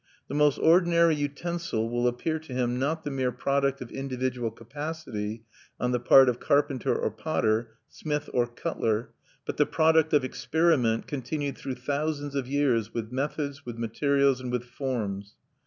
The most ordinary utensil will appear to him not the mere product of individual capacity on the part of carpenter or potter, smith or cutler, but the product of experiment continued through thousands of years with methods, with materials, and with forms.